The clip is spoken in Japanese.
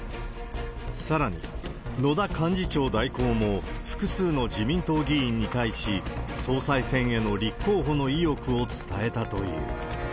さらに、野田幹事長代行も複数の自民党議員に対し、総裁選への立候補の意欲を伝えたという。